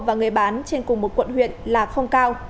và người bán trên cùng một quận huyện là không cao